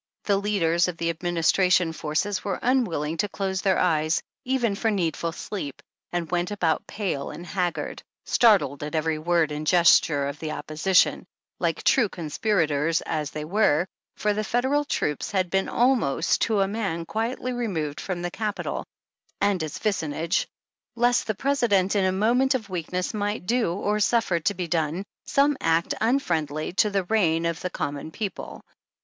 The leaders of the Administration forces were unwilling to close their eyes, even for needful sleep, and went about pale and haggard, startled at every word and gesture of the opposition, like true conspirators, as they were, for the Federal troops had been almost to a man quietly removed from the Capital and its vicinage, lest the President in a moment of weakness, might do or suffer to be done some act unfriendly to the Reign of the Com mon People.